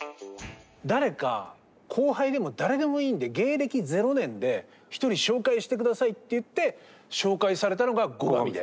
誰か後輩でも誰でもいいんで芸歴０年で１人紹介して下さいって言って紹介されたのが後上で。